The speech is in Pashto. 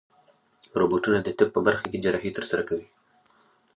روبوټونه د طب په برخه کې جراحي ترسره کوي.